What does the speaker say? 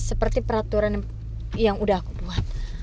seperti peraturan yang udah aku buat